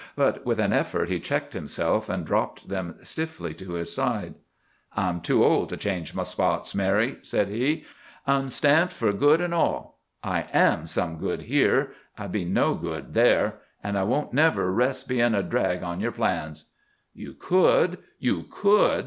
But, with an effort, he checked himself, and dropped them stiffly to his side. "I'm too old to change my spots, Mary," said he. "I'm stamped for good an' all. I am some good here. I'd be no good there. An' I won't never resk bein' a drag on yer plans." "You could—you could!"